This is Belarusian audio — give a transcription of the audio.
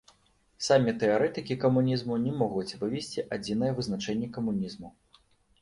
Самі тэарэтыкі камунізму не могуць вывесці адзінае вызначэнне камунізму.